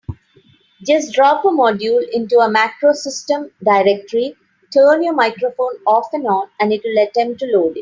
Just drop a module into your MacroSystem directory, turn your microphone off and on, and it will attempt to load it.